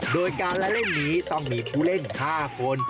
โดยการละเล่นนี้ต้องมีผู้เล่น๕คน